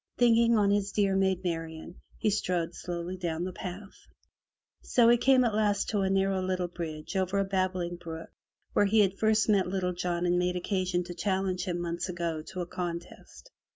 Thinking on his dear Maid Marian, he strode slowly down the path. So he came at last to a narrow little bridge over a babbling brook where he had first met Little John and made occasion to challenge him months agone to a contest.